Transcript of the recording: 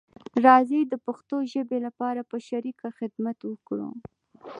راځی د پښتو ژبې لپاره په شریکه خدمت وکړو